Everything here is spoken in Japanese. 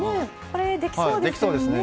これできそうですよね。